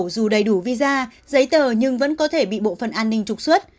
dù đầy đủ visa giấy tờ nhưng vẫn có thể bị bộ phận an ninh trục xuất